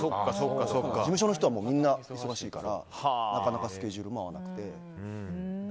事務所の人はみんな忙しいからなかなかスケジュールも合わなくて。